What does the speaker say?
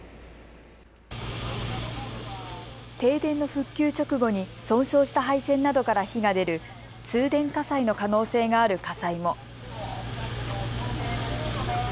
停電の復旧直後に損傷した配線などから火が出る通電火災の可能性がある火災も。